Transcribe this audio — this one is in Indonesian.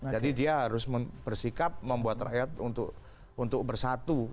jadi dia harus bersikap membuat rakyat untuk bersatu